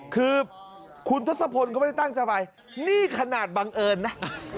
คือคุณทศพลเขาไม่ได้ตั้งใจไปนี่ขนาดบังเอิญนะ